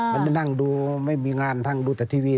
ไหนลองดูไม่มีงานทางดูแต่ทีวี